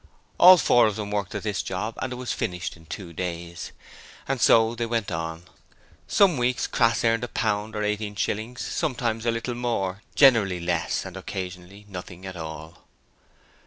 All four of them worked at this job and it was finished in two days. And so they went on. Some weeks Crass earned a pound or eighteen shillings; sometimes a little more, generally less and occasionally nothing at all.